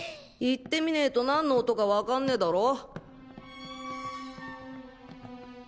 行ってみねと何の音かわかんねだろ。